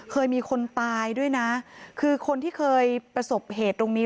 เคยมีคนตายด้วยนะคือคนที่เคยประสบเหตุตรงนี้